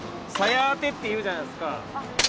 鞘当てっていうじゃないですか？